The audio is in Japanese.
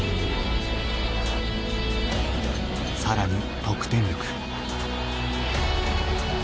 更に得点力。